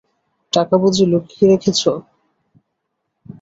টাকা বুঝি লুকিয়ে রেখেছ?